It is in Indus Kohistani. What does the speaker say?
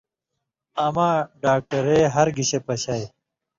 اما ڈاکٹرے ہرگِشے پشائ۔